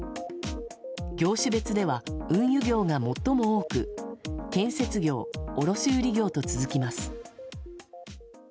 業種別では運輸業が最も多く建設業、卸売業と続きます。